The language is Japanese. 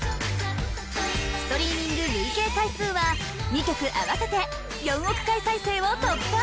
ストリーミング累計回数は２曲合わせて４億回再生を突破！